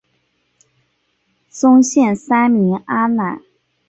宗宪三名阿懒。